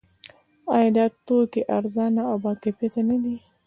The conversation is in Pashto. آیا دا توکي ارزانه او باکیفیته نه دي؟